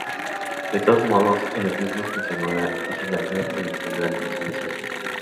De todos modos en los mismos funcionó la Legislatura Provincial durante los años siguientes.